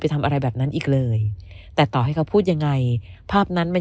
ทำอะไรแบบนั้นอีกเลยแต่ต่อให้เขาพูดยังไงภาพนั้นมัน